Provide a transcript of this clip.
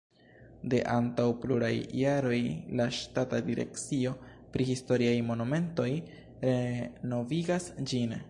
De antaŭ pluraj jaroj la ŝtata direkcio pri historiaj monumentoj renovigas ĝin.